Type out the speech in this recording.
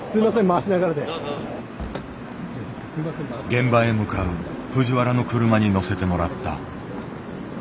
現場へ向かう藤原の車に乗せてもらった。